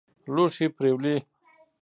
لوښي پرېولي.